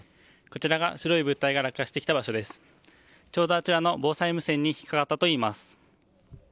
ちょうどあちらの防災無線に引っかかったといいます。